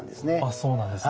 そうなんですね。